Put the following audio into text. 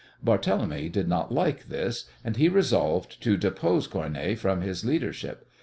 Barthélemy did not like this, and he resolved to depose Cournet from his leadership.